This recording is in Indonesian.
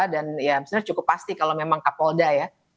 dan ya cukup pasti kalau memang kapolda ya